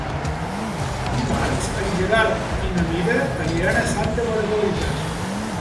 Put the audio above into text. Dimarts en Gerard i na Mira aniran a Santa Margalida.